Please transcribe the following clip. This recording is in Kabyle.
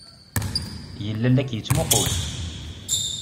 Yella la k-yettmuqqul.